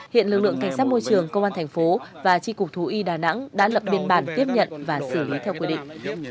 hiện lực lượng cảnh sát môi trường công an thành phố và tri cục thú y đà nẵng đã lập biên bản tiếp nhận và xử lý theo quy định